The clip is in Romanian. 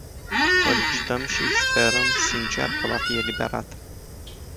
Solicităm și sperăm sincer că va fi eliberat.